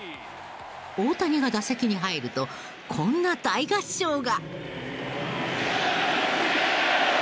大谷が打席に入るとこんな大合唱が。